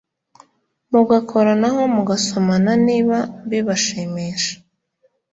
mugakoranaho mugasomana niba bibashimisha